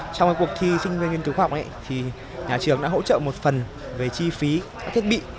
trong cuộc thi sinh viên nghiên cứu khoa học thì nhà trường đã hỗ trợ một phần về chi phí các thiết bị